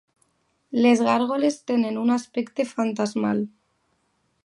Les gàrgoles tenen un aspecte fantasmal.